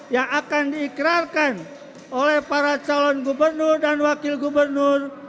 yang akan diikrarkan oleh para calon gubernur dan wakil gubernur